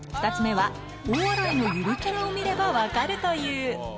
２つ目は大洗のゆるキャラを見れば、分かるという。